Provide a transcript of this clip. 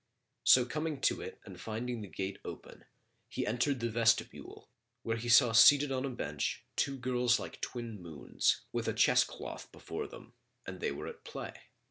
So coming to it and finding the gate open, he entered the vestibule, where he saw seated on a bench two girls like twin moons with a chess cloth before them and they were at play.